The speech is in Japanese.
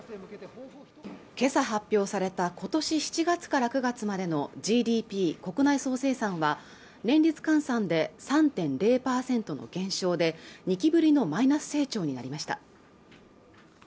今朝発表されたことし７月から９月までのＧＤＰ＝国内総生産は年率換算で３．０パーセントの減少で２期ぶりのマイナス成長になりました